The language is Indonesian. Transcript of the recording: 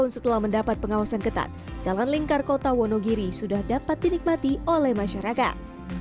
setelah mendapat pengawasan ketat jalan lingkar kota wonogiri sudah dapat dinikmati oleh masyarakat